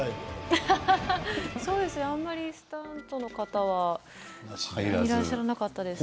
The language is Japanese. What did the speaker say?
スタントの方はいらっしゃらなかったんですね。